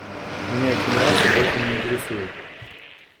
Меня эти нюансы больше не интересуют.